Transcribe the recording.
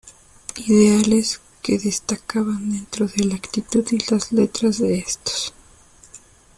Ideales que destacaban dentro de la actitud y las letras de estos.